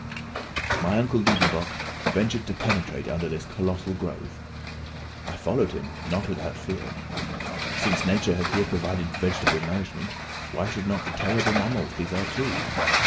My uncle Liedenbrock ventured to penetrate under this colossal grove. I followed him, not without fear. Since nature had here provided vegetable nourishment, why should not the terrible mammals be there too?